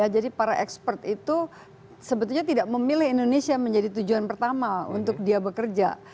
jadi para expert itu sebetulnya tidak memilih indonesia menjadi tujuan pertama untuk dia bekerja